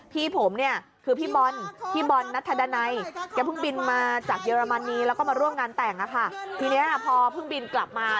ทีเนี่ยพอพึ่งบินกลับมา